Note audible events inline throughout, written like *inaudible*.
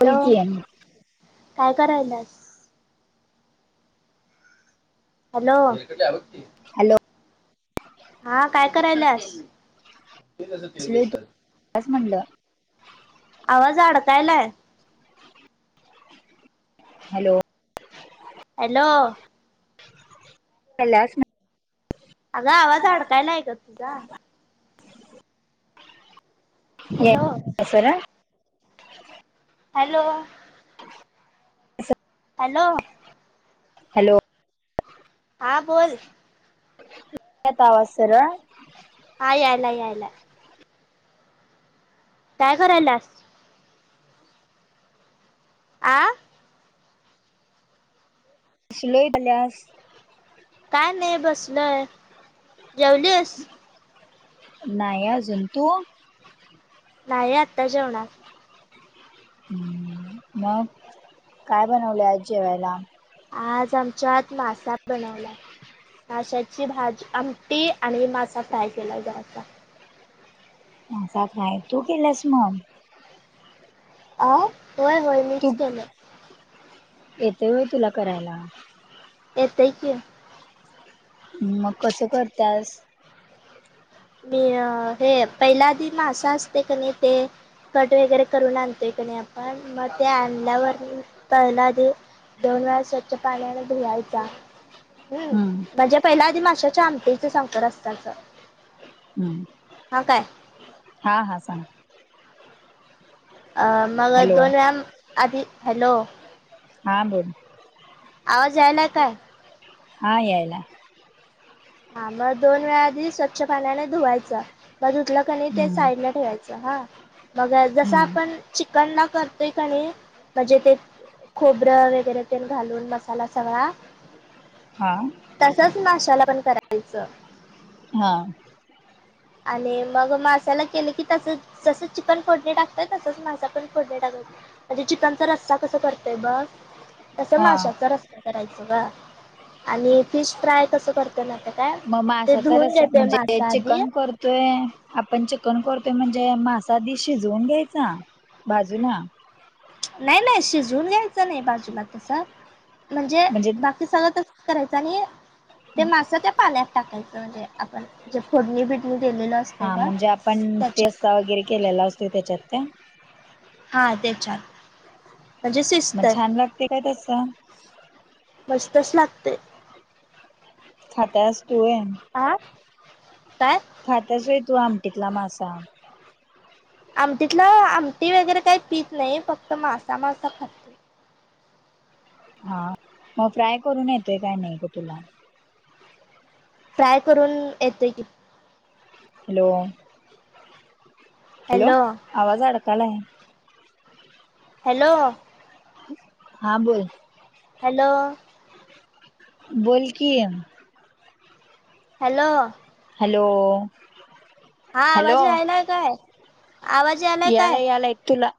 बोल की हॅलो काय करायला येस. हॅलो. हॅलो. हा काय करायलास. *unintelligible* म्हणलं. आवाज अडकायलाय. हॅलो. हॅलो. कलासम. *unintelligible* अगा आवाज अडकायला येग तुझा. *inaudible* ना हॅलो. ये- सरळ हॅलो. हॅलो. हॅलो. हा बोल. आवाज सरळ. हा यालाय यालाय काय करायलास? आं लोतल्यास काय नाही बसलोय जेवलीस? नाही अजुन तु? नाही आत्ता जेवणार. हम मग काय बनवले आज जेवायला? आज आमच्यात मासा बनवलाय. माशाची भाजी आमटी आणि मासा फ्राय केला जायचा माझा काय तू केलंस मग अआ होय होय मिचं केलोय. येतय होय तुला करायला? येतेय की. मग कसं करतयास? मी हे पहिला आदि‌मासा असतेय कनी ते कट वगैरे करून आणतो इकडे आपण मग ते आणल्यावर पहिला दोन वेळा स्वच्छ पाण्याने भियायचा हम् हम्म म्हझ्या पहिल्या आधी माशाच्या आमटीच संकर असतच हम्म हा काय हा हा सांग मग हॅलो दोन वेळा आधी हॅलो हा बोलोल आवाज यायलाय काय हा येयला हा मग दोन वेळा आधी स्वच्छ पाण्याने धुवायचं बाजूतलं कनी ते हम्म साईड ला ठेवायचं हा मग जसं हम्म आपण चिकन ला करतोय कणी म्हणजे ते खोबरं वगैरे तेल घालून मसाला सगळा हां तसच माशाला पण करायचं हा आणि मग मग असाला केलं की तसं जसं चिकपन फोडणी टाकतय तसच मासा पण फोडणे टाकत म्हणजे चिकनचा रस्सा कस करतय बघ तस हा माशाचा रस्ता करायच ग आणि फिश फ्राय कसं करत ना काय मग ते धुऊून घेते मासा आधी तो आपण चिकन करतोय म्हणजे मासाधी शिजवून घ्यायचा बाजूला नाही नाही शिजवून घ्यायचं नाही बाजूला तस म्हणजे बा ते सगळं करायचं आणि ते मासा त्या पाल्या टाकायचं म्हणजे आपण जे फोडणी बिडणी दिलेलं असतंय हा बघ म्हणजे आपण त्याच्यात तेसा वगैरे केलेला असतो त्याच्यात त्या हा त्याच्या म्हणजे मग सिस्टर छान लागते काय तसं मस्तस लागते खातचतोन. आ काय. खातच आहे तू आमटीतला मासा. आमटीतला आमटी वगैरे काही पीच नाही फक्त मासा मासा खात. हा मग फ्राय करून येतोय काय नाही ग तुला. फ्राय करून येते की हॅलो हॅलो आवाज अडकाला आहे. हॅलो. हा बोल. हॅलो. बोलखी हॅलो हॅलो हा हॅलो आवाज यायलाय काय? आवाज यायलाय याला काय? याला य तुला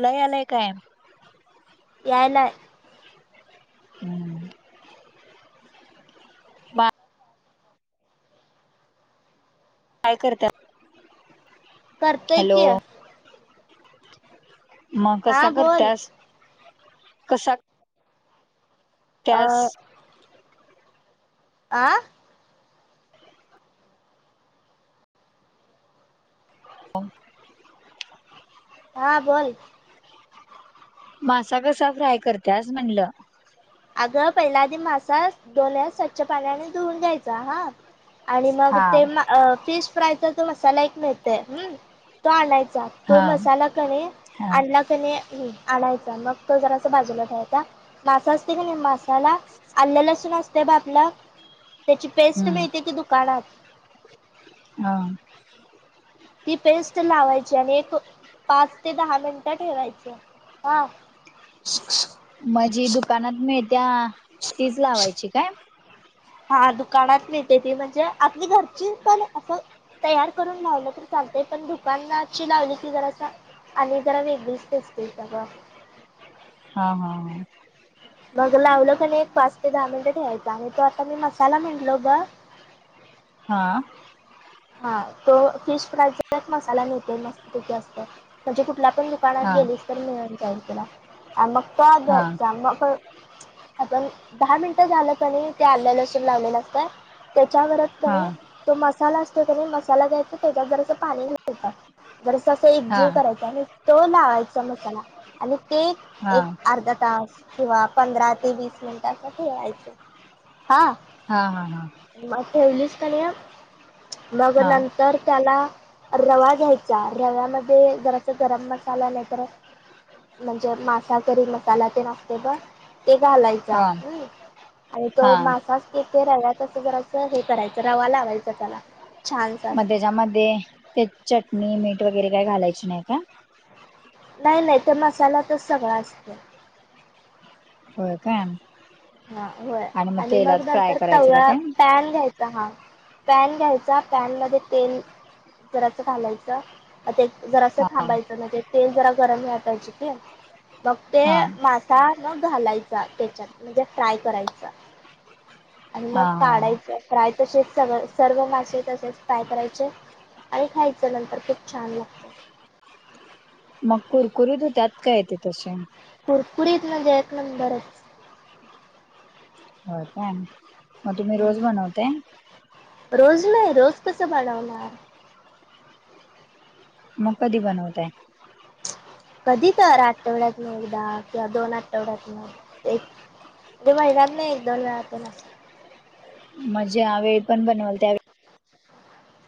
लय आलंय काय यायला हम्म. काय करतात. करताय की. मग हा कसा बोल करतेस कसा. अ स. आ हो हा बोल. मासा कसा फ्राय करतेस म्हणलं. अगं पहिल्या आधी मासा डोल्या स्वच्छ पाण्याने धुवून घ्यायचा हा आणि मग हा ते फिश फ्रायचा तो मसाला एक मिळतय हम् तो आणायचा हा तो मसाला क हा आणला त्या आणायचा मग तो जरा अस बाजूला ठयचा मासा नाही मसाला आलं लसूण असते बा आपलं. त्याची पेस्ट हम्म माहती की दुकानात. हा ती पेस्ट लावायची आणि एक पाच ते दहा मिनिटं ठेवायची. हा माझी दुकानात मीळ त्या्या तीच लावायची काय. हा दुकानात मिळेते ती म्हणजे आपली घरची पण असं. तयार करून लावलं तर चालतय पण दुकानाची लावली ती जरा. आणि जरा वेगळीच दिसते सग. हा हा हा. मग लावलं कण एक पाच ते दहा मिनिटं ठेवायचा आणि तो आता मी मसाला म्हटलो ग. हा हा तो फिश फ्राईज एक मसाला मिळतो मस्त तिथती असत म्हणजे कुठला पण. दुकाना हा गेलीस तर मिळून जाईल तुला मग तो हा घ्यायचा मग. आपण दहा मिनिटं झालं क नाही ते आल्या लसून लावले नसतय त्याच्यावरच. हा तो मसाला असतो तरी मसाला घ्यायचा त्याच्यात जरासं पाणी घ बरस हा एकजीव करायचा आणि तो लावायचा मसाला आणि ते हा हा एक अर्धा तास किंवा पंधरा ते वीस मिनिट असं ठेवायचं हा हा हा हा मग ठेवलीच काण मग हा नंतर त्याला रवा घ्यायचा रव्यामध्ये जर अस गरम मसाला नाही तर म्हणजे मासाकरी मसाला ते नसते ब ते घालायचा हा हा आणि तो हा मासाच इथे रव्या तसं जरास हे करायचं, रवा लावायचं त्याला. छानसं मग असं त्याच्यामध्ये ते चटणी, मीठ वगैरे काही घालायची नाही का? नाही नाही ते मसाल्यातचं सगळं असतंय. हो, काय. हा होय आणि मग तेलात फ्राय नंतर करायचं का तव्या ते पॅन घ्यायचा हा पॅन घ्यायचा, पॅन मध्ये तेल जरास घालायचं. ते जरा असं हा थांबायचं म्हणजे, तेल जरा गरम व्हाय पाहिजे की, मग ते हा मासा मग घालायचा त्याच्यात म्हणजे फ्राय करायचा. आणि मग हा हा काढायचं फ्राय तसेच सर्व मासे तसेच फ्राय करायचे. आणि खायचं नंतर खूप छान! लागतं. मग कुरकुरुत होत्यात, काय ते तसे? कुरकुरीत म्हणजे एक नंबरचं. हो काय, मग तुम्ही रोज बनवताय? रोज नाही रोज कसं वबनवणार. मग कधी बनवताय? कधी तर आठवड्यातन एकदा किंवा दोन आठवड्यात एक ते महिन्यातनं एक दोन वेळा तर असतय. म ज्यावेळी पण बनवा त्यावेळी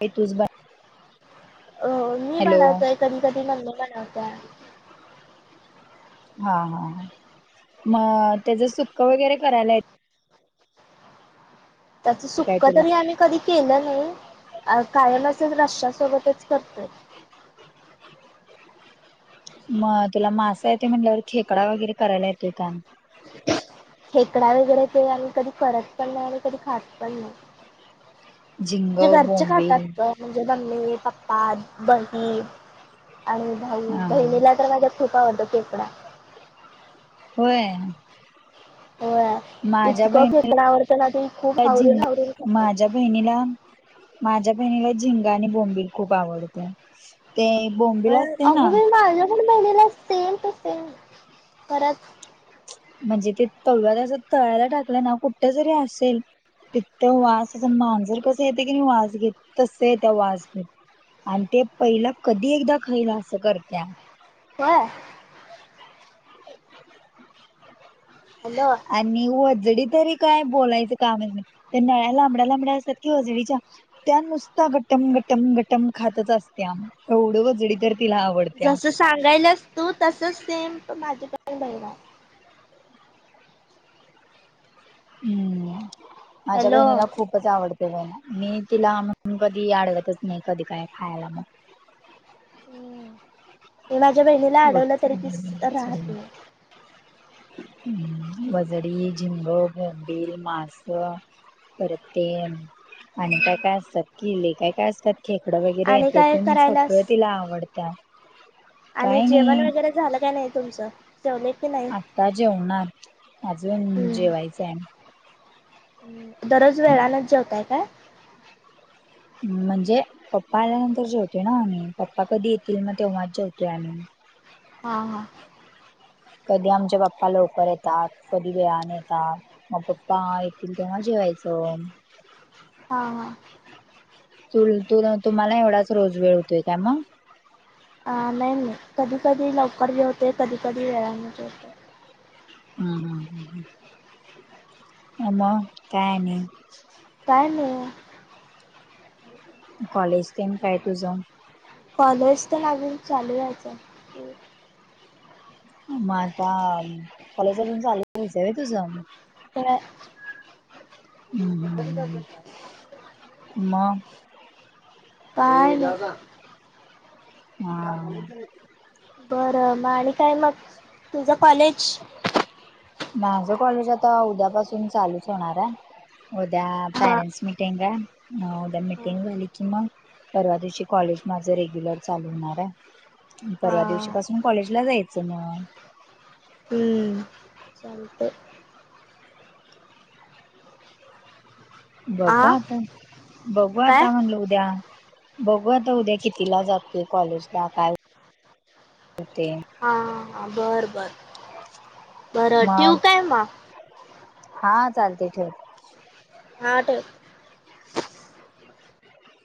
नाही तुच बनव अ मी बनवतोय, कधी कधी मम्मी बनवत्या. हा हा मग त्याच सुक्क वगैरे करायला य त्याचं काय सुक्क तरी तुला आ कधी केलं नाही, कायम असं रस्स्या सोबतच करतोय. म तुला मासा येतोय म्हणल्यावर, खेकडा वगैरे करायला येतोय का? खेकडा वेगरै ते आम्ही कधी करत पण, नाही आणि कधी खात पण नाही. झिंग तुजे घरचे खात बोंबील जात न म्हणजे, मम्मी, पप्पा बहीण आणि भाऊ हा हा बहिणीला तर माझ्या खूप आवडतं खेकडा. होय. होय, माझ्या इतक बहिणीला खेकडा आवडत ना ते खूप झिंग आवडीन आवडीन खातयं. माझ्या बहिणीला माझ्या बहिणीला झिंगा आणि बोंबिल खूप आवडतयं. ते बोंब होय, अगं बाई! माझ्या पण बहिणीला सेम टू सेम खरचं म्हणजे, ते तव्याला जर तळायला टाकलं ना कुठे जरी असेल, तिथ वास मांजर कसं येतय की, नाही वास घेत तसं येत्या वास घेत. आणि ते पहिला कधी एकदा खाईन असं करत्या. व्हयं. हॅलो! वजडी तरी काय बोलायचं काम नाय त्या नळ्या लांबड्या लांबड्या असतात, कि वजडीच्या त्या नुसता गटम गटम गटम खातचं असत्या, एवढी वजडी तर तिला आवडत्या. जसं सांगायलास तू तसचं सेम टू माझी बहिण *unintelligible* हम्म! माझ्या हॅलो बहिणीला खूप खूपच आवडतंय बाय ना मी तिला आणून कधी आडवतचं नाही कधी काय खायला पण. हम मी माझ्या बहिणीला आडवलं तरी ती वजडी राहतं नाही. *unintelligible* वजडी, झिंग, बोंबिल, मांस. परत ते आणि नाही. काय काय असतात, किती लय काय काय असताय, खेकडं वगैरे आणि ते काय पण करायलास? सगळं तिला आवडतयं. आणि जेवण वगैरे झालं, का नाही तुमचं जेवले की नाही? आता जेवणार अजून जेवायचं आहे आम्ही. ् दररोज वेळानच जेवताय काय. म्हणजे पप्पा आल्यानंतर जेवतेो ना आम्ही पप्पा कधी येतील मग तेव्हाच जेवतेो आम्ही. हा हा. कधी आच्या पप्पा लवकर येतात कधी वेळान येतात मग पप्पा येतील तेव्हा जेवायचं हा ह तु तु तुम्हाला एवढाच रोज वेळ होतोय का मग अ नाही नाही कधी कधी लवकर जे होते कधी कधी वेळामध्ये जे होते ह ह ह आ म्हा काय नाही. काय नाही. कॉलेज टम काय तुझं. कॉलेज तेन अजून चालू राहायचं मग आता कॉलेज अजून चालूयच तुझग ते हम्म हम्म ह् म काय ना हम् बरं मग आणि काय मग तुझं कॉलेज. माझं कॉलेज आता उद्यापासून चालूच होणार आहे उद्या, हा पेरेटस मीटिंग आहे हा मीटिंग वली. मग परवा दिवशी कॉलेज माझ रेग्युलर चालू होणार आहे हा परवा दिवशी पाून मग कॉलेजला जायचं मग हम्म सते आ बघवता काय बघवता म्हणल उद्या बघू आता उद्या कितीला जाते कॉलेजला काय हां बरं बरं बरं ठेवू मग काय मग हा चालते ठेव हा ठेव